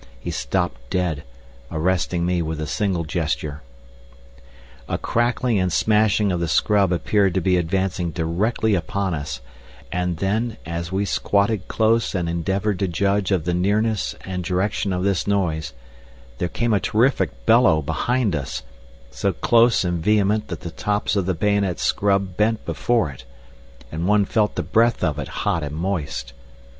He stopped dead, arresting me with a single gesture. A crackling and smashing of the scrub appeared to be advancing directly upon us, and then, as we squatted close and endeavoured to judge of the nearness and direction of this noise, there came a terrific bellow behind us, so close and vehement that the tops of the bayonet scrub bent before it, and one felt the breath of it hot and moist.